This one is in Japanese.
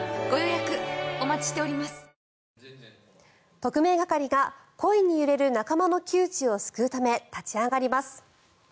特命係が、恋に揺れる仲間の窮地を救うため立ち上がります。